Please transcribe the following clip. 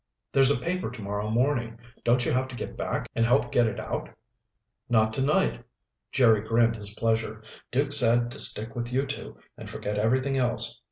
"There's a paper tomorrow morning. Don't you have to get back and help get it out?" "Not tonight." Jerry grinned his pleasure. "Duke said to stick with you two and forget everything else.